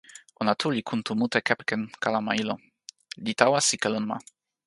ona tu li kuntu mute kepeken kalama ilo, li tawa sike lon ma.